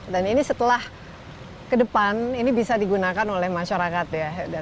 dan ini setelah ke depan ini bisa digunakan oleh masyarakat ya